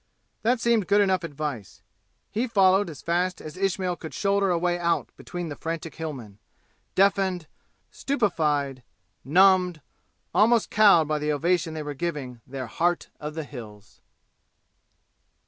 That seemed good enough advice. He followed as fast as Ismail could shoulder a way out between the frantic Hillmen, deafened, stupefied, numbed, almost cowed by the ovation they were giving their "Heart of their Hills."